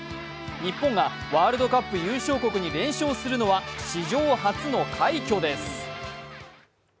日本がワールドカップ優勝国に連勝するのは史上初の快挙です。